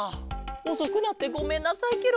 おそくなってごめんなさいケロ。